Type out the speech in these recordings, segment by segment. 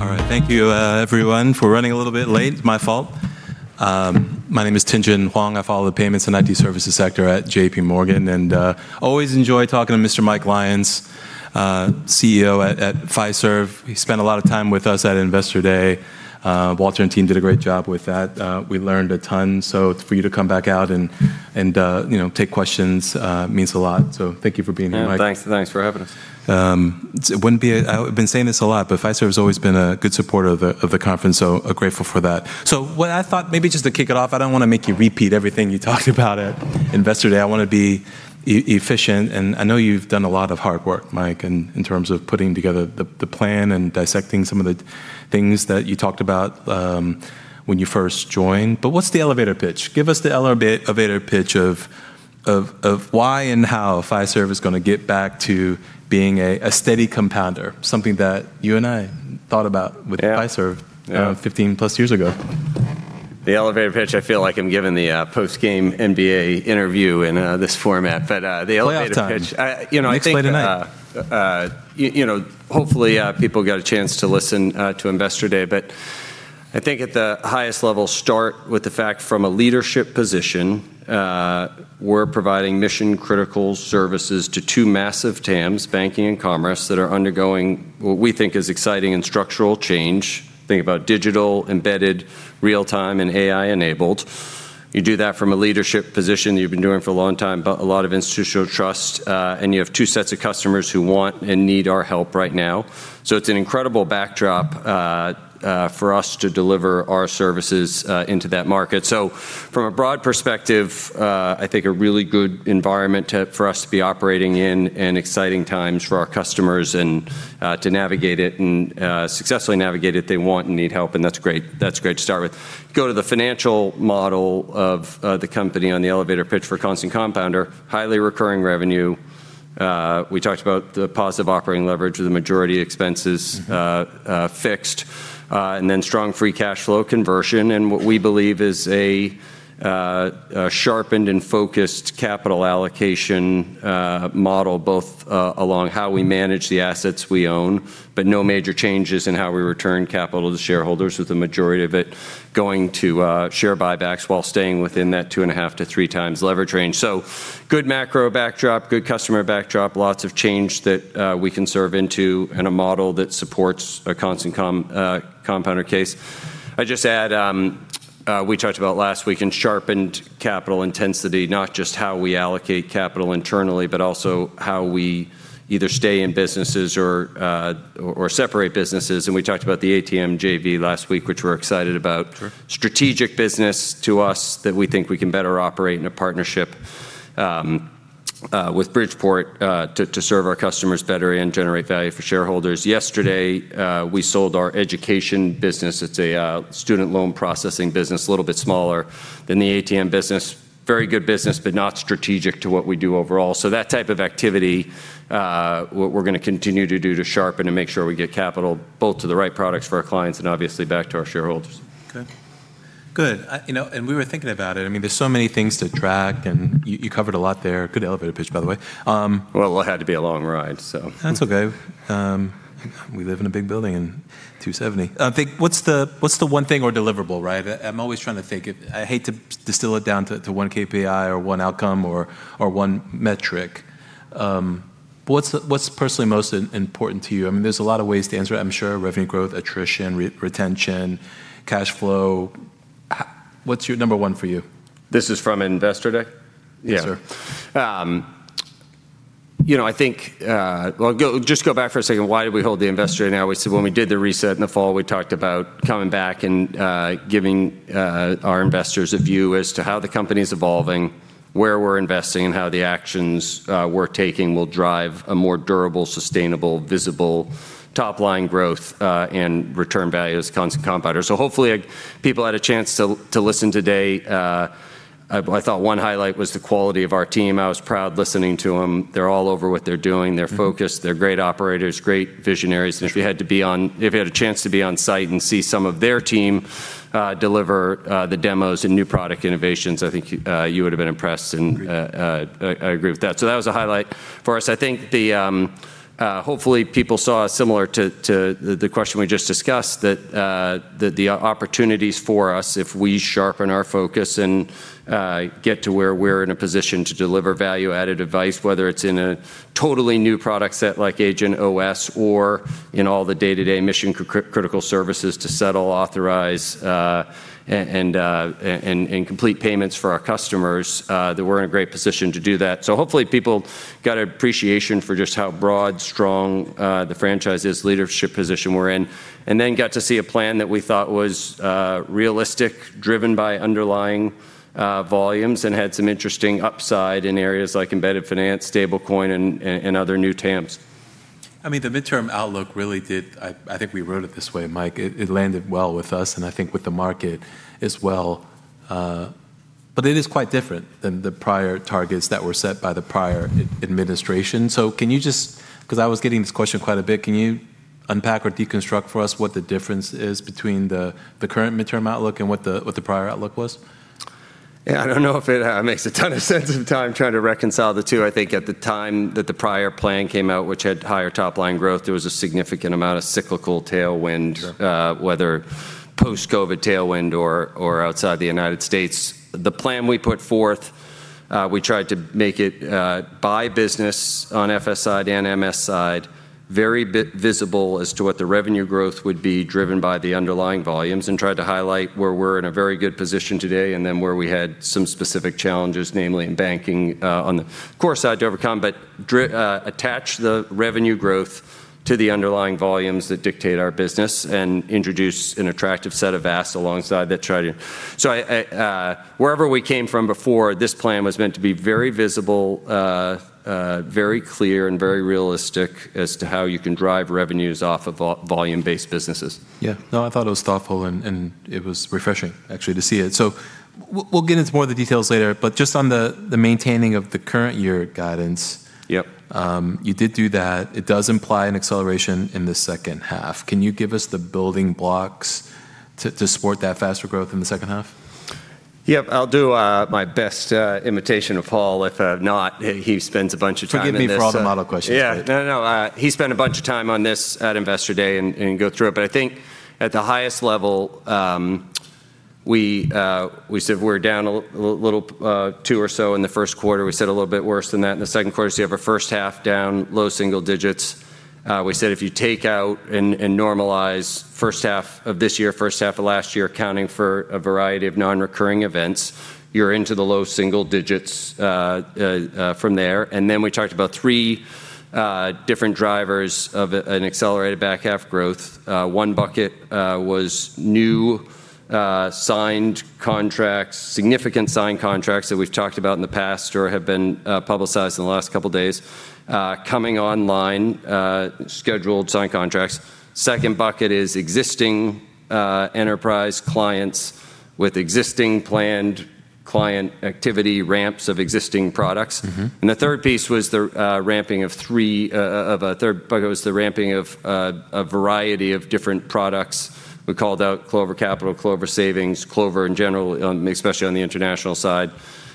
All right. Thank you, everyone. We're running a little bit late, my fault. My name is Tien-Tsin Huang. I follow the payments and IT services sector at J.P. Morgan, always enjoy talking to Mr. Mike Lyons, CEO at Fiserv. He spent a lot of time with us at Investor Day. Walter and team did a great job with that. We learned a ton, so for you to come back out and, you know, take questions, means a lot. Thank you for being here, Mike. Yeah, thanks. Thanks for having us. I've been saying this a lot, Fiserv has always been a good supporter of the conference. I'm grateful for that. What I thought maybe just to kick it off, I don't want to make you repeat everything you talked about at Investor Day. I want to be efficient, and I know you've done a lot of hard work, Mike, in terms of putting together the plan and dissecting some of the things that you talked about when you first joined. What's the elevator pitch? Give us the elevator pitch of why and how Fiserv is going to get back to being a steady compounder, something that you and I thought about. Yeah with Fiserv. Yeah 15+ years ago. The elevator pitch, I feel like I'm giving the post-game NBA interview in this format. Playoff time I, you know, I think. Next play tonight. you know, hopefully, people got a chance to listen to Investor Day. I think at the highest level, start with the fact from a leadership position, we're providing mission-critical services to two massive TAMS, banking and commerce, that are undergoing what we think is exciting and structural change. Think about digital, embedded, real-time, and AI-enabled. You do that from a leadership position that you've been doing for a long time, a lot of institutional trust, and you have two sets of customers who want and need our help right now. It's an incredible backdrop for us to deliver our services into that market. From a broad perspective, I think a really good environment to, for us to be operating in and exciting times for our customers and to navigate it and successfully navigate it, they want and need help, and that's great. That's great to start with. Go to the financial model of the company on the elevator pitch for constant compounder, highly recurring revenue. We talked about the positive operating leverage with the majority expenses- fixed, and then strong free cash flow conversion and what we believe is a sharpened and focused capital allocation model, both along how we manage the assets we own, but no major changes in how we return capital to shareholders, with the majority of it going to share buybacks while staying within that 2.5-3x leverage range. Good macro backdrop, good customer backdrop, lots of change that we can serve into and a model that supports a constant compounder case. I'd just add, we talked about last week in sharpened capital intensity, not just how we allocate capital internally, but also how we either stay in businesses or separate businesses, and we talked about the ATM JV last week, which we're excited about. Sure. Strategic business to us that we think we can better operate in a partnership with Bridgeport to serve our customers better and generate value for shareholders. Yesterday, we sold our education business. It's a student loan processing business, a little bit smaller than the ATM business. Very good business, not strategic to what we do overall. That type of activity, what we're going to continue to do to sharpen and make sure we get capital both to the right products for our clients and obviously back to our shareholders. Okay. Good. you know, we were thinking about it. I mean, there's so many things to track, and you covered a lot there. Good elevator pitch, by the way. It had to be a long ride. That's okay. We live in a big building in 270. Think, what's the one thing or deliverable, right? I'm always trying to think it. I hate to distill it down to one KPI or one outcome or one metric. What's personally most important to you? I mean, there's a lot of ways to answer it, I'm sure. Revenue growth, attrition, retention, cash flow. What's your number one for you? This is from Investor Day? Yeah. Yes, sir. You know, I think, just go back for a second. Why did we hold the Investor Day now? We said when we did the reset in the fall, we talked about coming back and giving our investors a view as to how the company's evolving, where we're investing, and how the actions we're taking will drive a more durable, sustainable, visible top-line growth and return value as constant compounder. Hopefully, people had a chance to listen today. I thought one highlight was the quality of our team. I was proud listening to them. They're all over what they're doing. They're focused. They're great operators, great visionaries. If you had a chance to be on site and see some of their team, deliver the demos and new product innovations, I think you would have been impressed. Agreed I agree with that. That was a highlight for us. I think the hopefully people saw similar to the question we just discussed that the opportunities for us if we sharpen our focus and get to where we're in a position to deliver value-added advice, whether it's in a totally new product set like agentOS or in all the day-to-day mission-critical services to settle, authorize, and complete payments for our customers, that we're in a great position to do that. Hopefully people got an appreciation for just how broad, strong, the franchise is, leadership position we're in, and then got to see a plan that we thought was realistic, driven by underlying volumes and had some interesting upside in areas like embedded finance, stablecoin, and other new TAMs. I mean, the midterm outlook really did, I think we wrote it this way, Mike. It landed well with us and I think with the market as well. It is quite different than the prior targets that were set by the prior administration. Can you just, because I was getting this question quite a bit, can you unpack or deconstruct for us what the difference is between the current midterm outlook and what the prior outlook was? I don't know if it makes a ton of sense at the time trying to reconcile the 2. I think at the time that the prior plan came out, which had higher top-line growth, there was a significant amount of cyclical tailwind. Sure whether post-COVID tailwind or outside the United States. The plan we put forth, we tried to make it by business on FS side and MS side very visible as to what the revenue growth would be driven by the underlying volumes and tried to highlight where we're in a very good position today and then where we had some specific challenges, namely in banking, on the core side to overcome. Attach the revenue growth to the underlying volumes that dictate our business and introduce an attractive set of VAS alongside that try to. Wherever we came from before, this plan was meant to be very visible, very clear and very realistic as to how you can drive revenues off of volume-based businesses. Yeah. No, I thought it was thoughtful and it was refreshing actually to see it. We'll get into more of the details later, but just on the maintaining of the current year guidance. Yep. You did do that. It does imply an acceleration in the second half. Can you give us the building blocks to support that faster growth in the second half? Yep. I'll do my best imitation of Paul if not. He spends a bunch of time on this. Forgive me for all the model questions. Yeah. No, no. He spent a bunch of time on this at Investor Day and go through it. I think at the highest level, we said we're down a little, two or so in the first quarter. We said a little bit worse than that in the second quarter, so you have a first half down low single digits. We said if you take out and normalize first half of this year, first half of last year accounting for a variety of non-recurring events, you're into the low single digits from there. We talked about three different drivers of an accelerated back half growth. One bucket was new signed contracts, significant signed contracts that we've talked about in the past or have been publicized in the last couple of days, coming online, scheduled signed contracts. Second bucket is existing enterprise clients with existing planned client activity ramps of existing products. The third piece was the ramping of a variety of different products. We called out Clover Capital, Clover Savings, Clover in general, especially on the international side,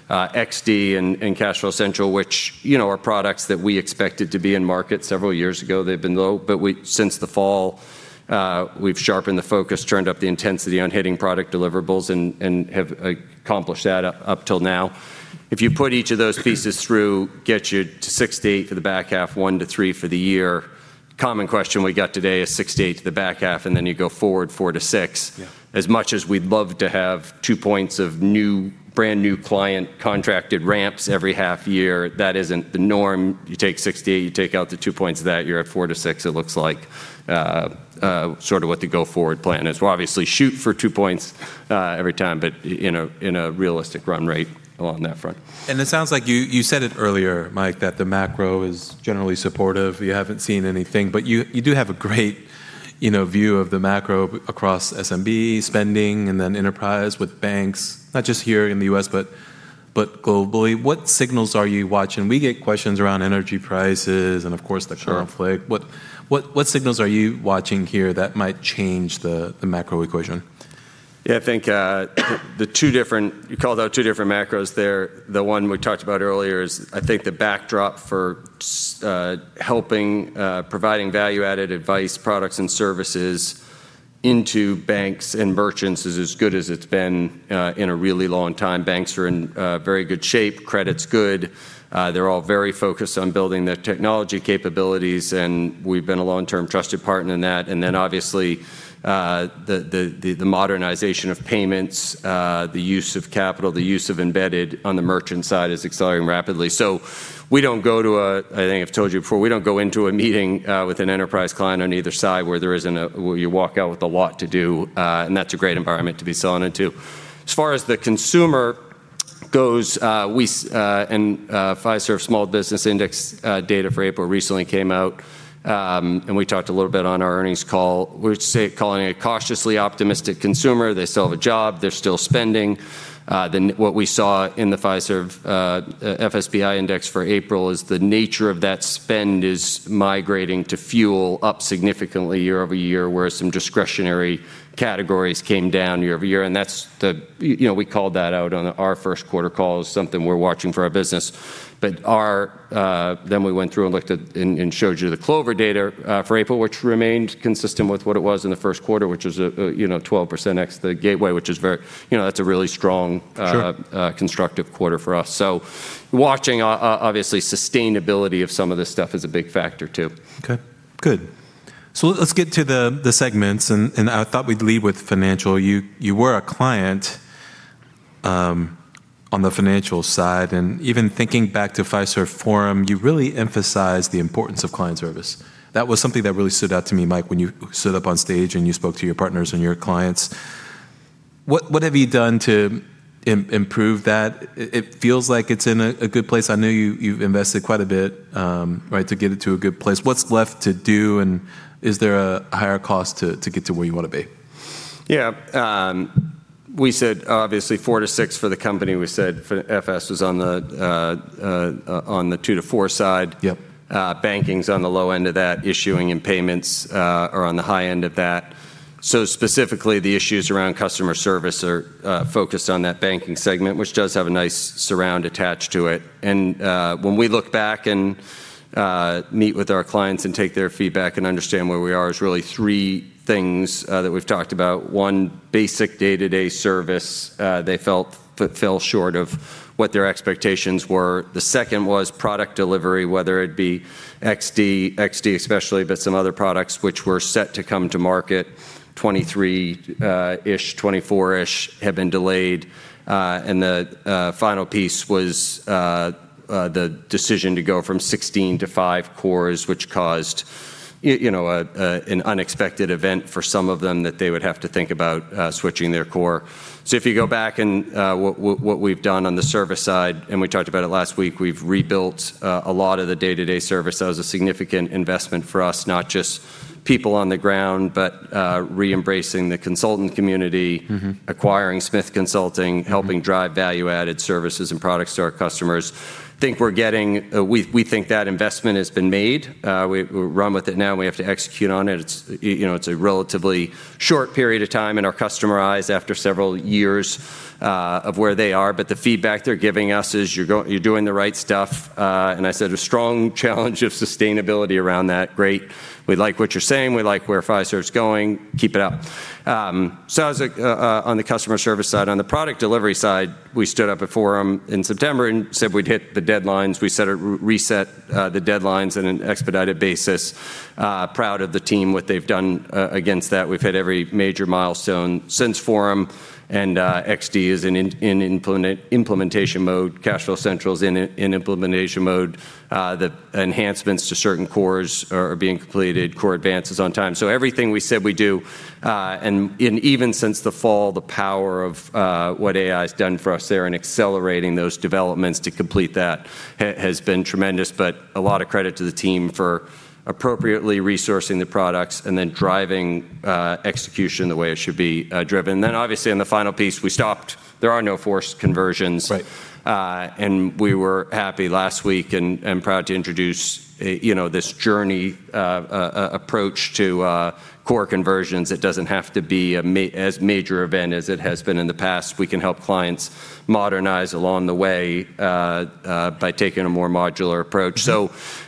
XD and CashFlow Central, which, you know, are products that we expected to be in market several years ago. They've been low, but we, since the fall, we've sharpened the focus, turned up the intensity on hitting product deliverables and have accomplished that up till now. If you put each of those pieces through, gets you to 6-8 for the back half, 1-3 for the year. Common question we got today is 6-8 to the back half, then you go forward 4-6. Yeah. As much as we'd love to have two points of new, brand-new client contracted ramps every half year, that isn't the norm. You take 6-8, you take out the two points of that, you're at 4-6. It looks like sort of what the go-forward plan is. We'll obviously shoot for two points every time, but in a realistic run rate along that front. It sounds like you said it earlier, Mike, that the macro is generally supportive. You haven't seen anything. You do have a great, you know, view of the macro across SMB spending and then enterprise with banks, not just here in the U.S., but globally. What signals are you watching? We get questions around energy prices and of course the conflict. Sure. What signals are you watching here that might change the macro equation? Yeah, I think the two different, you called out two different macros there. The one we talked about earlier is I think the backdrop for helping providing value-added advice, products and services into banks and merchants is as good as it's been in a really long time. Banks are in very good shape. Credit's good. They're all very focused on building their technology capabilities, and we've been a long-term trusted partner in that. Obviously, the modernization of payments, the use of capital, the use of embedded on the merchant side is accelerating rapidly. We don't go to a, I think I've told you before, we don't go into a meeting with an enterprise client on either side where there isn't a, where you walk out with a lot to do, and that's a great environment to be selling into. As far as the consumer goes, and Fiserv Small Business Index data for April recently came out, and we talked a little bit on our earnings call. We're calling it a cautiously optimistic consumer. They still have a job. They're still spending. What we saw in the Fiserv FSBI index for April is the nature of that spend is migrating to fuel up significantly year-over-year, where some discretionary categories came down year-over-year. That's the, you know, we called that out on our first quarter call as something we're watching for our business. Our, then we went through and looked at and showed you the Clover data for April, which remained consistent with what it was in the first quarter, which was, you know, 12% ex the gateway, which is very, you know, that's a really strong- Sure constructive quarter for us. Watching obviously sustainability of some of this stuff is a big factor too. Good. Let's get to the segments, and I thought we'd lead with financial. You were a client on the financial side, and even thinking back to Fiserv Forum, you really emphasized the importance of client service. That was something that really stood out to me, Mike, when you stood up on stage and you spoke to your partners and your clients. What have you done to improve that? It feels like it's in a good place. I know you've invested quite a bit, right, to get it to a good place. What's left to do, and is there a higher cost to get to where you want to be? We said obviously 4-6 for the company. We said for FS was on the 2-4 side. Yep. banking's on the low end of that, issuing and payments are on the high end of that. specifically, the issues around customer service are focused on that banking segment, which does have a nice surround attached to it. when we look back and meet with our clients and take their feedback and understand where we are, it's really three things that we've talked about. One, basic day-to-day service, they felt fell short of what their expectations were. The second was product delivery, whether it be XD especially, but some other products which were set to come to market 2023 ish, 2024 ish, have been delayed. And the final piece was the decision to go from 16-5 cores, which caused you know, an unexpected event for some of them that they would have to think about switching their core. If you go back and what we've done on the service side, and we talked about it last week, we've rebuilt a lot of the day-to-day service. That was a significant investment for us, not just people on the ground, but re-embracing the consultant community. acquiring Smith Consulting, helping drive value-added services and products to our customers. We think that investment has been made. We run with it now and we have to execute on it. It's, you know, it's a relatively short period of time in our customer eyes after several years of where they are. The feedback they're giving us is, "You're doing the right stuff." I said a strong challenge of sustainability around that. "Great. We like what you're saying. We like where Fiserv's going. Keep it up." As on the customer service side, on the product delivery side, we stood up at Forum in September and said we'd hit the deadlines. We re-reset the deadlines in an expedited basis. Proud of the team, what they've done against that. We've hit every major milestone since Forum and XD is in implementation mode. CashFlow Central is in implementation mode. The enhancements to certain cores are being completed. core advanced is on time. Everything we said we'd do, and even since the fall, the power of what AI's done for us there in accelerating those developments to complete that has been tremendous. A lot of credit to the team for appropriately resourcing the products and then driving execution the way it should be driven. Obviously in the final piece, we stopped. There are no forced conversions. Right. We were happy last week and proud to introduce, you know, this journey approach to core conversions. It doesn't have to be as major event as it has been in the past. We can help clients modernize along the way by taking a more modular approach.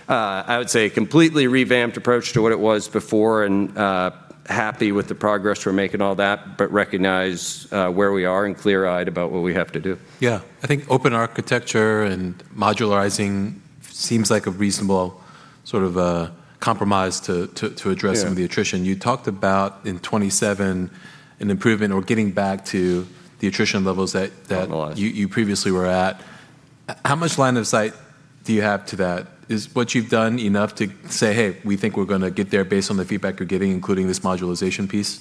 I would say a completely revamped approach to what it was before and happy with the progress we're making on all that, but recognize where we are and clear-eyed about what we have to do. Yeah. I think open architecture and modularizing seems like a reasonable sort of a compromise to. Yeah some of the attrition. You talked about in 2027 an improvement or getting back to the attrition levels that. Normalized you previously were at. How much line of sight do you have to that? Is what you've done enough to say, "Hey, we think we're gonna get there based on the feedback you're giving, including this modularization piece"?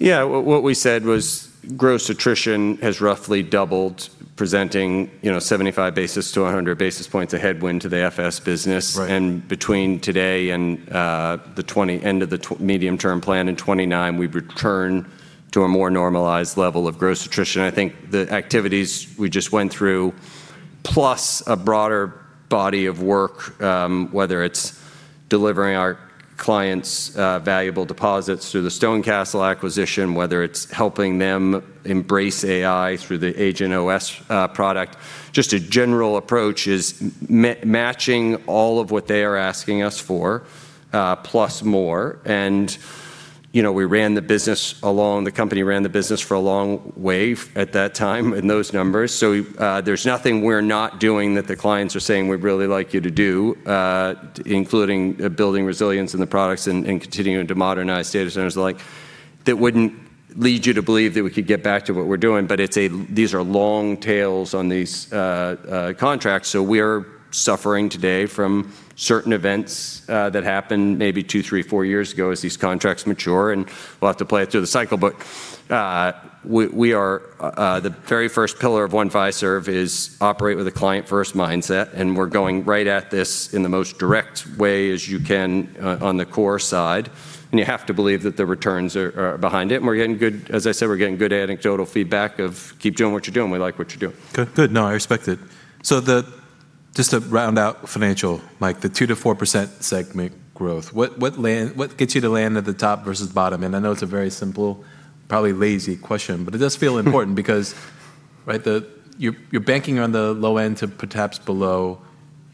Yeah. What we said was gross attrition has roughly doubled presenting, you know, 75 basis to 100 basis points of headwind to the FS business. Right. Between today and the end of the medium-term plan in 2029, we return to a more normalized level of gross attrition. I think the activities we just went through, plus a broader body of work, whether it's delivering our clients' valuable deposits through the StoneCastle acquisition, whether it's helping them embrace AI through the agentOS product, just a general approach is matching all of what they are asking us for, plus more. You know, the company ran the business for a long wave at that time in those numbers. There's nothing we're not doing that the clients are saying, "We'd really like you to do," including building resilience in the products and continuing to modernize data centers the like, that wouldn't lead you to believe that we could get back to what we're doing. It's these are long tails on these contracts, we're suffering today from certain events that happened maybe two, three, four years ago as these contracts mature, and we'll have to play it through the cycle. We are the very first pillar of One Fiserv is operate with a client-first mindset, and we're going right at this in the most direct way as you can on the core side, and you have to believe that the returns are behind it. We're getting good, as I said, we're getting good anecdotal feedback of, "Keep doing what you're doing. We like what you're doing. Okay. Good. No, I respect it. Just to round out financial, like the 2%-4% segment growth, what gets you to land at the top versus bottom? I know it's a very simple, probably lazy question, but it does feel important because, right, you're banking on the low end to perhaps below.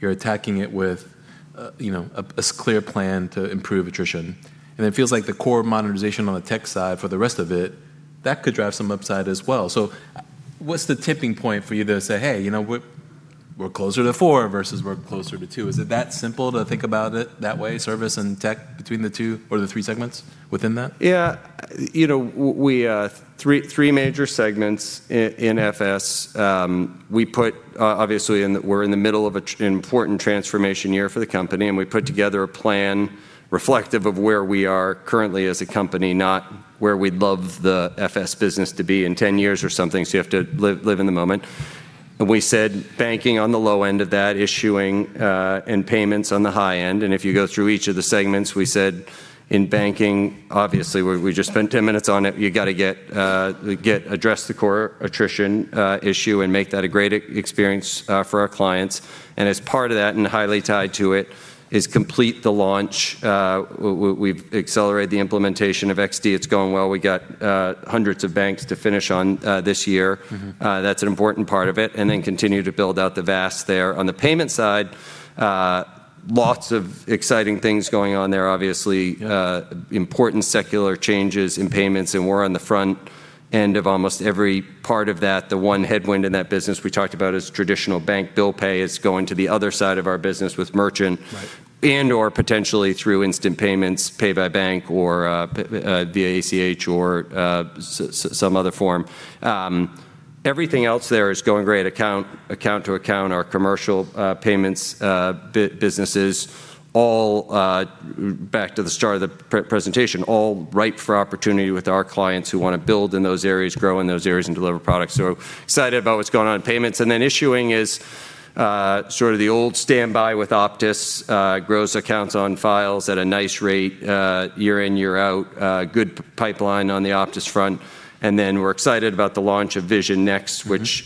You're attacking it with, you know, a clear plan to improve attrition. It feels like the core of modernization on the tech side for the rest of it, that could drive some upside as well. What's the tipping point for you to say, "Hey, you know, we're closer to four versus we're closer to two"? Is it that simple to think about it that way, service and tech between the two or the three segments within that? Yeah. You know, we, three major segments in FS. We put obviously we're in the middle of a important transformation year for the company, and we put together a plan reflective of where we are currently as a company, not where we'd love the FS business to be in 10 years or something. You have to live in the moment. We said banking on the low end of that, issuing, and payments on the high end. If you go through each of the segments, we said in banking, obviously, we just spent 10 minutes on it, you got to get address the core attrition, issue and make that a great e-experience, for our clients. As part of that and highly tied to it is complete the launch. We've accelerated the implementation of XD. It's going well. We got hundreds of banks to finish on this year. That's an important part of it, and then continue to build out the VAS there. On the payment side, lots of exciting things going on there. Obviously, important secular changes in payments, and we're on the front end of almost every part of that. The one headwind in that business we talked about is traditional bank bill pay is going to the other side of our business with merchant- Right or potentially through instant payments, pay by bank or via ACH or some other form. Everything else there is going great. Account to account, our commercial payments businesses all back to the start of the presentation, all ripe for opportunity with our clients who want to build in those areas, grow in those areas, and deliver products. Excited about what's going on in payments. Issuing is sort of the old standby with Optis, grows accounts on files at a nice rate year in, year out. Good pipeline on the Optis front. We're excited about the launch of Vision Next- which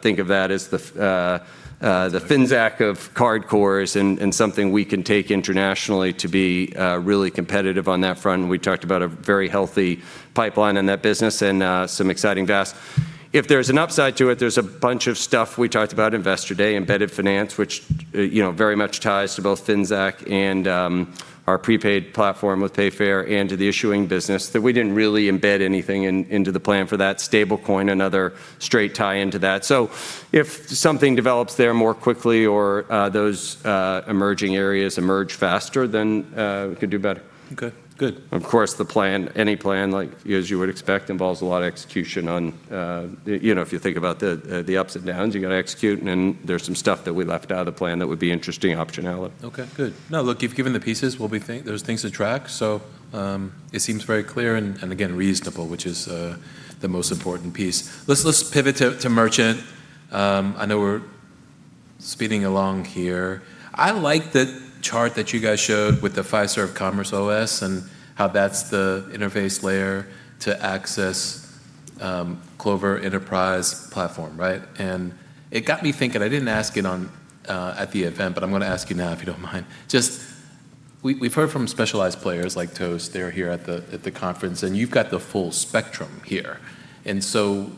think of that as the Finxact of card cores and something we can take internationally to be really competitive on that front. We talked about a very healthy pipeline in that business and some exciting VAS. If there's an upside to it, there's a bunch of stuff we talked about Investor Day, embedded finance, which, you know, very much ties to both Finxact and our prepaid platform with Payfare and to the issuing business that we didn't really embed anything into the plan for that stablecoin, another straight tie into that. If something develops there more quickly or those emerging areas emerge faster, then we could do better. Okay, good. Of course, the plan, any plan like as you would expect, involves a lot of execution on, you know, if you think about the ups and downs, you got to execute, and then there's some stuff that we left out of the plan that would be interesting optional. Okay, good. Look, you've given the pieces, what we think, those things to track. It seems very clear and again, reasonable, which is the most important piece. Let's pivot to merchant. I know we're speeding along here. I like the chart that you guys showed with the Fiserv Commerce OS and how that's the interface layer to access Clover Enterprise platform, right? It got me thinking, I didn't ask it on at the event, but I'm gonna ask you now if you don't mind. We've heard from specialized players like Toast. They're here at the conference, you've got the full spectrum here. There's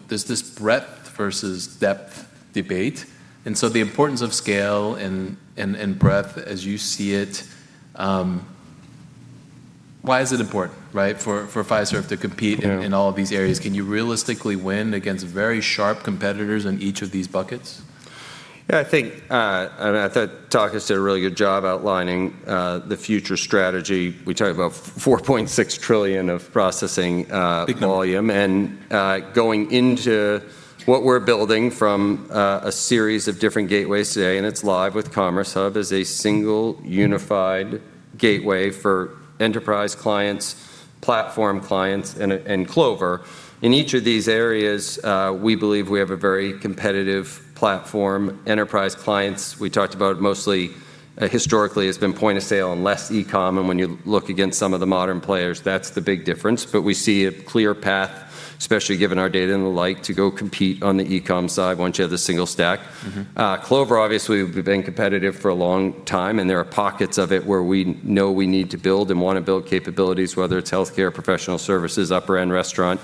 this breadth versus depth debate. The importance of scale and breadth as you see it, why is it important, right, for Fiserv to compete? Yeah in all of these areas? Can you realistically win against very sharp competitors in each of these buckets? Yeah, I think, I mean, I thought Taka did a really good job outlining the future strategy. We talked about $4.6 trillion of processing volume. Big number. Going into what we're building from a series of different gateways today, and it's live with Commerce Hub, is a single unified gateway for enterprise clients, platform clients, and Clover. In each of these areas, we believe we have a very competitive platform. Enterprise clients, we talked about mostly, historically, has been point of sale and less e-com. When you look against some of the modern players, that's the big difference. We see a clear path, especially given our data and the like, to go compete on the e-com side once you have the single stack. Clover, obviously, we've been competitive for a long time, and there are pockets of it where we know we need to build and want to build capabilities, whether it's healthcare, professional services, upper end restaurant.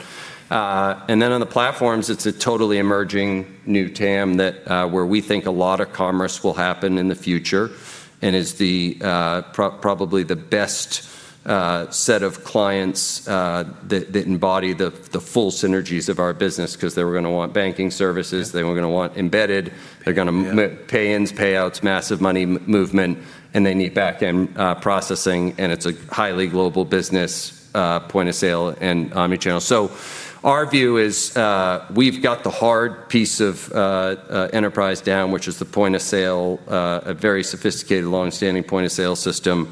On the platforms, it's a totally emerging new TAM that where we think a lot of commerce will happen in the future, and is probably the best set of clients that embody the full synergies of our business because they were gonna want banking services, they were gonna want embedded- Yeah they're gonna pay-ins, payouts, massive money movement, and they need backend processing, and it's a highly global business, point of sale and omni-channel. Our view is, we've got the hard piece of enterprise down, which is the point of sale, a very sophisticated, long-standing point of sale system.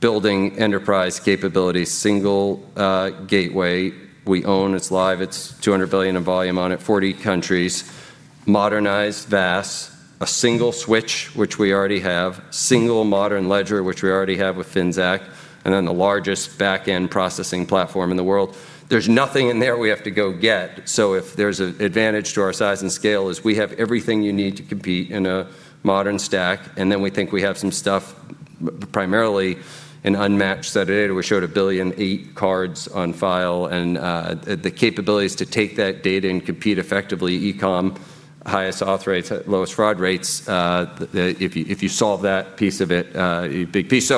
Building enterprise capabilities, single gateway. We own, it's live, it's $200 billion in volume on it, 40 countries. Modernized VAS, a single switch, which we already have. Single modern ledger, which we already have with Finxact. The largest backend processing platform in the world. There's nothing in there we have to go get. If there's an advantage to our size and scale is we have everything you need to compete in a modern stack, then we think we have some stuff primarily an unmatched set of data. We showed 1 billion and eight cards on file and the capabilities to take that data and compete effectively, e-com, highest auth rates, lowest fraud rates. If you, if you solve that piece of it, big piece.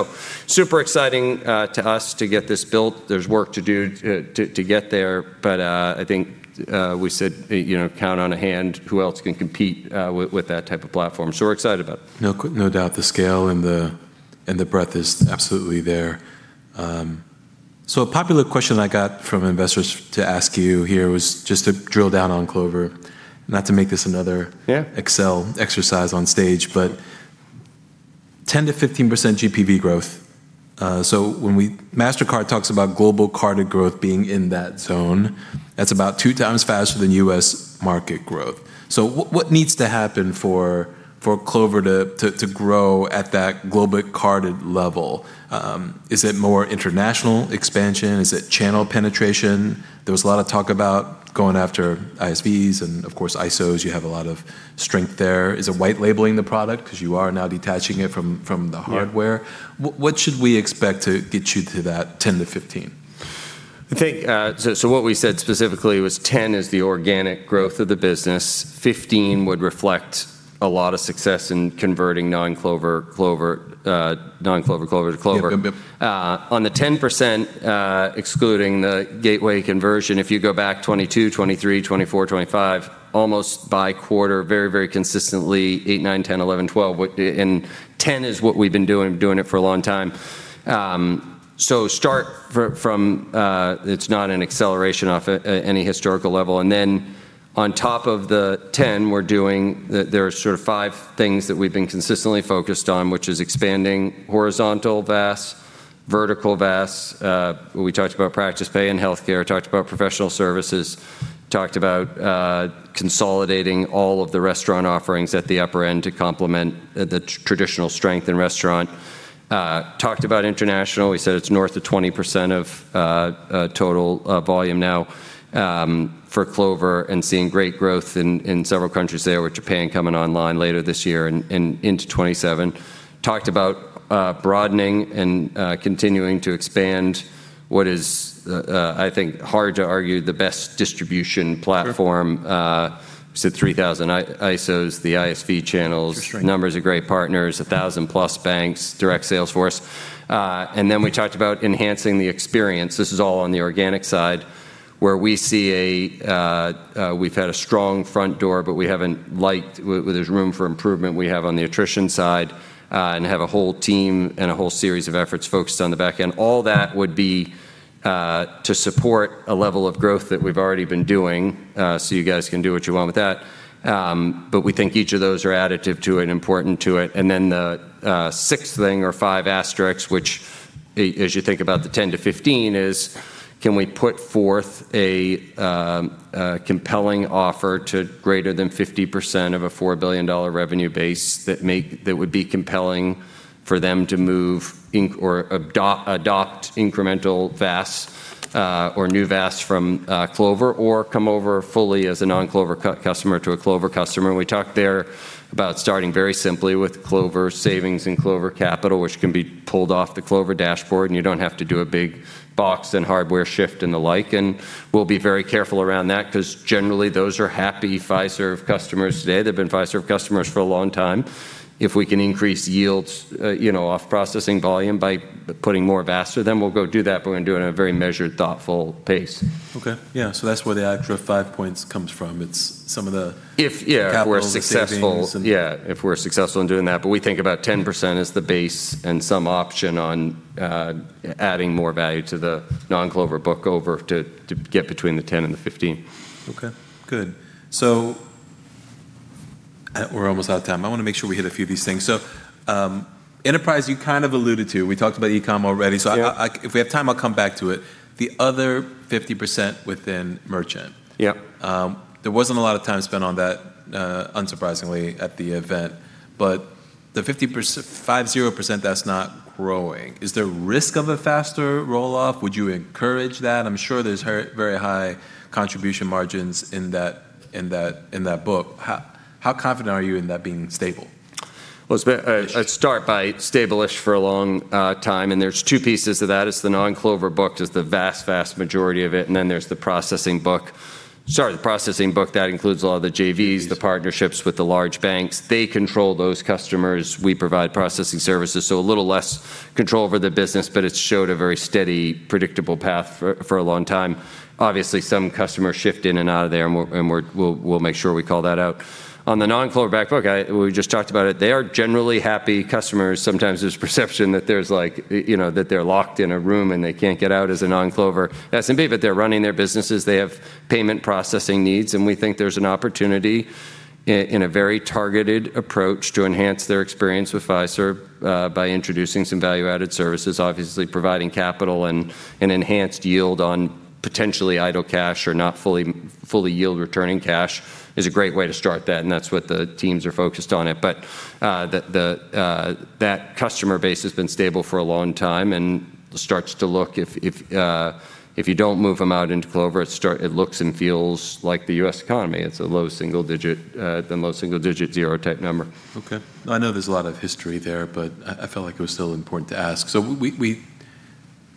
Super exciting to us to get this built. There's work to do to get there. I think, we said, you know, count on a hand who else can compete with that type of platform. We're excited about it. No doubt the scale and the breadth is absolutely there. A popular question I got from investors to ask you here was just to drill down on Clover. Yeah Excel exercise on stage, 10%-15% GPV growth. When Mastercard talks about global carded growth being in that zone, that's about two times faster than U.S. market growth. What needs to happen for Clover to grow at that global carded level? Is it more international expansion? Is it channel penetration? There was a lot of talk about going after ISVs and of course, ISOs, you have a lot of strength there. Is it white labeling the product because you are now detaching it from the hardware? Yeah. What should we expect to get you to that 10 to 15? I think, what we said specifically was 10 is the organic growth of the business. 15 would reflect a lot of success in converting non-Clover to Clover. Yep, yep. On the 10%, excluding the gateway conversion, if you go back 2022, 2023, 2024, 2025, almost by quarter, very, very consistently, 8, 9, 10, 11, 12. 10 is what we've been doing for a long time. Start from, it's not an acceleration off any historical level. On top of the 10 we're doing, there are sort of 5 things that we've been consistently focused on, which is expanding horizontal VaaS, vertical VaaS. We talked about PracticePay and healthcare. We talked about professional services. We talked about consolidating all of the restaurant offerings at the upper end to complement the traditional strength in restaurant. We talked about international. We said it's north of 20% of total volume now for Clover and seeing great growth in several countries there, with Japan coming online later this year and into 2027. Talked about broadening and continuing to expand what is, I think, hard to argue the best distribution platform. Sure. Said 3,000 ISOs, the ISV channels. For sure. numbers of great partners, 1,000 plus banks, direct sales force. Then we talked about enhancing the experience. This is all on the organic side, where we see a, we've had a strong front door, but we haven't liked where there's room for improvement we have on the attrition side, and have a whole team and a whole series of efforts focused on the back end. All that would be to support a level of growth that we've already been doing. You guys can do what you want with that. We think each of those are additive to it, important to it. The 6th thing or five asterisks, as you think about the 10-15 is, can we put forth a compelling offer to greater than 50% of a $4 billion revenue base that would be compelling for them to move or adopt incremental VaaS or new VaaS from Clover or come over fully as a non-Clover customer to a Clover customer? We talked there about starting very simply with Clover Savings and Clover Capital, which can be pulled off the Clover dashboard, and you don't have to do a big box and hardware shift and the like. We'll be very careful around that because generally those are happy Fiserv customers today. They've been Fiserv customers for a long time. If we can increase yields, you know, off processing volume by putting more VaaS to them, we'll go do that, but we're gonna do it in a very measured, thoughtful pace. Okay. Yeah. That's where the extra 5 points comes from. It's some of the. If we're successful. capital, the savings and- Yeah, if we're successful in doing that. We think about 10% is the base and some option on adding more value to the non-Clover book over to get between the 10 and the 15. Okay, good. We're almost out of time. I wanna make sure we hit a few of these things. Enterprise, you kind of alluded to. We talked about e-com already. Yeah. I, if we have time, I'll come back to it. The other 50% within merchant. Yeah. There wasn't a lot of time spent on that, unsurprisingly at the event. The 50% that's not growing, is there risk of a faster roll-off? Would you encourage that? I'm sure there's very high contribution margins in that book. How confident are you in that being stable? I'd start by stable-ish for a long time, and there's two pieces of that. It's the non-Clover book is the vast majority of it, and then there's the processing book. Sorry, the processing book, that includes a lot of the JVs, the partnerships with the large banks. They control those customers. We provide processing services, a little less control over the business, it's showed a very steady, predictable path for a long time. Some customers shift in and out of there, and we're, and we'll make sure we call that out. On the non-Clover back book, I, we just talked about it. They are generally happy customers. Sometimes there's perception that there's like, you know, that they're locked in a room and they can't get out as a non-Clover SMB, they're running their businesses. They have payment processing needs, and we think there's an opportunity in a very targeted approach to enhance their experience with Fiserv by introducing some value-added services. Obviously, providing capital and an enhanced yield on potentially idle cash or not fully yield returning cash is a great way to start that, and that's what the teams are focused on it. That customer base has been stable for a long time and starts to look if you don't move them out into Clover, it looks and feels like the U.S. economy. It's a low single digit zero type number. Okay. I know there's a lot of history there, but I felt like it was still important to ask. We,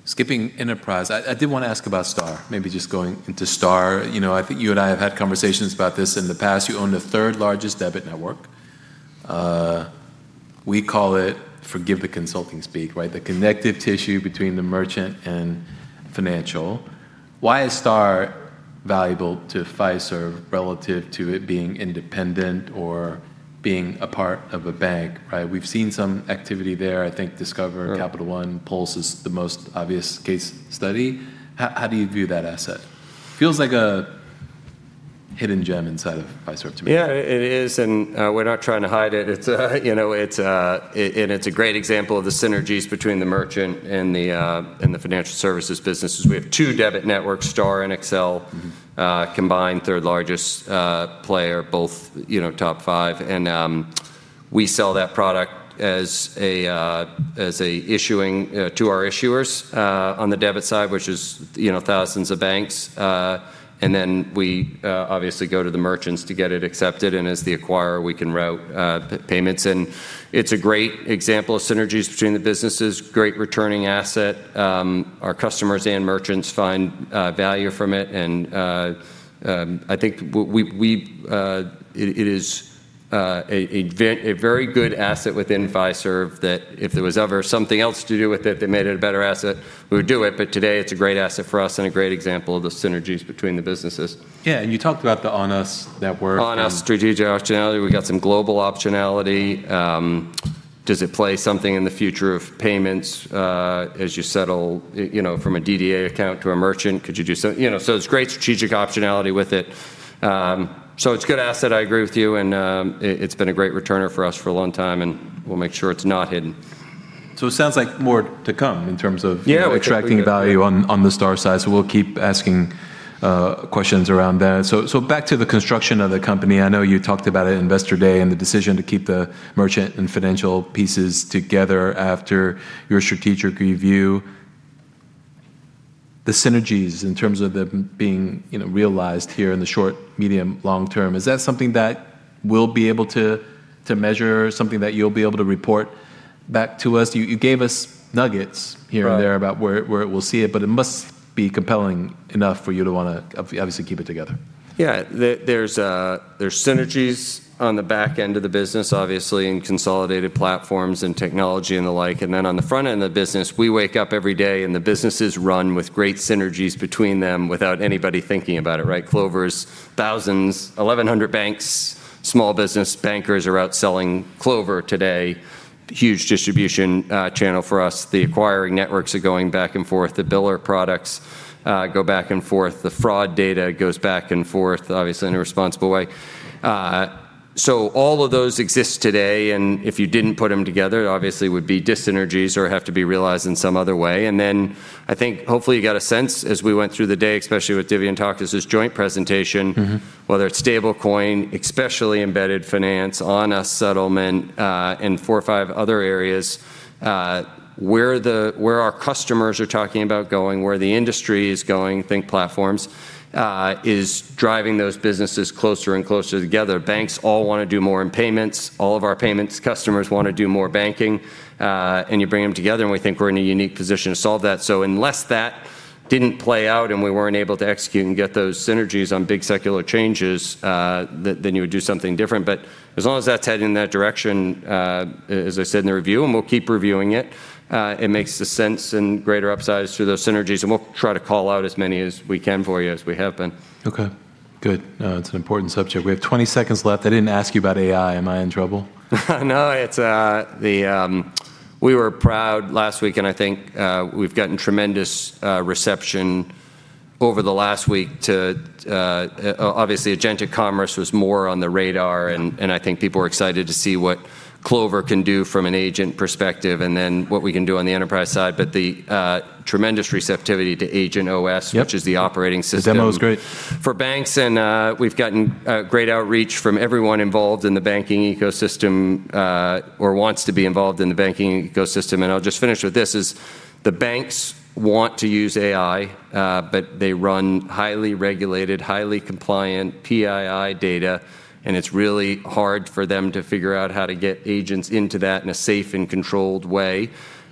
skipping enterprise, I did wanna ask about STAR. Maybe just going into STAR. You know, I think you and I have had conversations about this in the past. You own the third-largest debit network. We call it, forgive the consulting speak, right, the connective tissue between the merchant and financial. Why is STAR valuable to Fiserv relative to it being independent or being a part of a bank, right? We've seen some activity there. I think Discover- Sure Capital One, PULSE is the most obvious case study. How do you view that asset? Feels like a hidden gem inside of Fiserv to me. Yeah, it is. We're not trying to hide it. It's, you know, it's a great example of the synergies between the merchant and the financial services businesses. We have 2 debit networks, STAR and Accel. combined third largest player, both, you know, top five. We sell that product as a issuing to our issuers on the debit side, which is, you know, thousands of banks. Then we obviously go to the merchants to get it accepted, and as the acquirer, we can route payments in. It's a great example of synergies between the businesses, great returning asset. Our customers and merchants find value from it and I think we, it is a very good asset within Fiserv that if there was ever something else to do with it that made it a better asset, we would do it. Today, it's a great asset for us and a great example of the synergies between the businesses. Yeah. You talked about the on-us network. on-us strategic optionality. We got some global optionality. Does it play something in the future of payments, as you settle, you know, from a DDA account to a merchant? Could you do some You know, there's great strategic optionality with it. It's a good asset, I agree with you, and it's been a great returner for us for a long time, and we'll make sure it's not hidden. It sounds like more to come in terms of. Yeah extracting value on the STAR side, so we'll keep asking questions around that. Back to the construction of the company, I know you talked about it at Investor Day and the decision to keep the merchant and financial pieces together after your strategic review. The synergies in terms of them being, you know, realized here in the short, medium, long term, is that something that we'll be able to measure? Something that you'll be able to report back to us? You gave us nuggets here. Right There about where we'll see it, but it must be compelling enough for you to wanna obviously keep it together. There's synergies on the back end of the business, obviously, in consolidated platforms and technology and the like. On the front end of the business, we wake up every day and the businesses run with great synergies between them without anybody thinking about it, right. Clover's thousands, 1,100 banks, small business bankers are out selling Clover today. Huge distribution channel for us. The acquiring networks are going back and forth. The biller products go back and forth. The fraud data goes back and forth, obviously in a responsible way. All of those exist today, and if you didn't put them together, it obviously would be dis-synergies or have to be realized in some other way. I think hopefully you got a sense as we went through the day, especially with Dhivya Suryadevara joint presentation. whether it's stablecoin, especially embedded finance, on-us settlement, and four or five other areas, where our customers are talking about going, where the industry is going, think platforms is driving those businesses closer and closer together. Banks all wanna do more in payments. All of our payments customers wanna do more banking. And you bring them together, and we think we're in a unique position to solve that. Unless that didn't play out and we weren't able to execute and get those synergies on big secular changes, then you would do something different. As long as that's heading in that direction, as I said in the review, and we'll keep reviewing it makes the sense and greater upsides through those synergies, and we'll try to call out as many as we can for you as we have been. Okay. Good. It's an important subject. We have 20 seconds left. I didn't ask you about AI. Am I in trouble? No. We were proud last week, and I think we've gotten tremendous reception over the last week to obviously agentic commerce was more on the radar, and I think people are excited to see what Clover can do from an agent perspective, and then what we can do on the enterprise side. The tremendous receptivity to Agent OS. Yep which is the operating system- The demo was great. for banks, we've gotten great outreach from everyone involved in the banking ecosystem, or wants to be involved in the banking ecosystem. I'll just finish with this, is the banks want to use AI, they run highly regulated, highly compliant PII data, and it's really hard for them to figure out how to get agents into that in a safe and controlled way.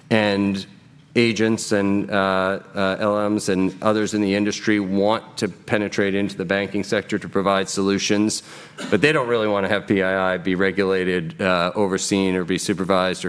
and LLMs and others in the industry want to penetrate into the banking sector to provide solutions, but they don't really wanna have PII be regulated, overseen, or be supervised.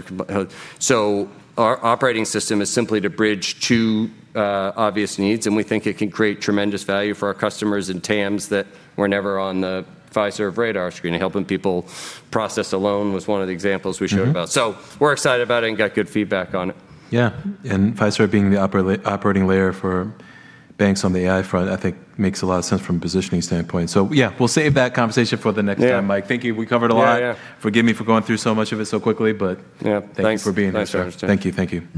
Our operating system is simply to bridge two obvious needs. We think it can create tremendous value for our customers and TAMs that were never on the Fiserv radar screen, and helping people process a loan was one of the examples we showed about. We're excited about it and got good feedback on it. Yeah. Fiserv being the operating layer for banks on the AI front, I think makes a lot of sense from a positioning standpoint. Yeah, we'll save that conversation for the next time. Yeah. Mike. Thank you. We covered a lot. Yeah, yeah. Forgive me for going through so much of it so quickly. Yeah. Thanks. Thank you for being here. Thanks for the opportunity. Thank you. Thank you.